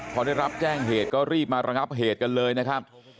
พอได้รับแจ้งเหตุก็รีบมาระงับเหตุกันเลยนะครับ